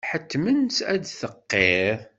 Ḥettmen-tt ad d-tqirr.